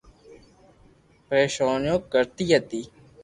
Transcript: پرآݾون ڪرتي ھتي